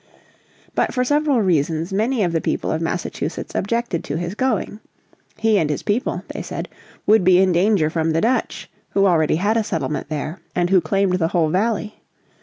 But for several reasons many of the people of Massachusetts objected to his going. He and his people, they said, would be in danger from the Dutch, who already had a settlement there, and who claimed the whole valley.